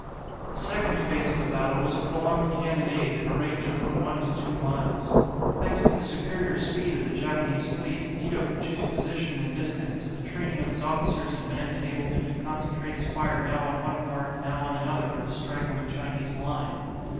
The second phase of the battle was a prolonged cannonade at a range of from one to two miles. Thanks to the superior speed of the Japanese fleet, Ito could choose position and distance, and the training of his officers and men enabled him to concentrate his fire now on one part, now on another, of the straggling Chinese line.